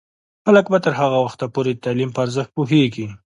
خلک به تر هغه وخته پورې د تعلیم په ارزښت پوهیږي.